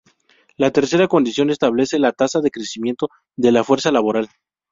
La tercera condición establece la tasa de crecimiento de la fuerza laboral.